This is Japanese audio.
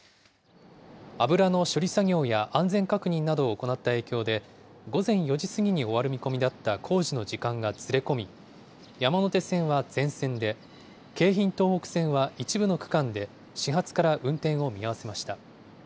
油の処理作業や安全確認などを行った影響で、午前４時過ぎに終わる見込みだった工事の時間がずれ込み、山手線は全線で、京浜東北線は一部の区間で、始発から運転を見合わせました。